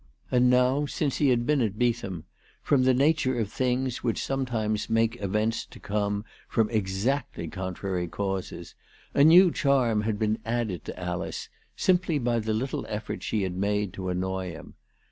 And now since he had been at Beetham, from the nature of things which sometimes make events to come from exactly contrary causes, a new charm had been added to Alice, simply by the little effort she had made to annoy him.